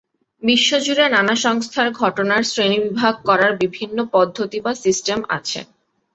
বিশ্ব জুড়ে নানা সংস্থার ঘটনার শ্রেণীবিভাগ করার বিভিন্ন পদ্ধতি বা সিস্টেম আছে।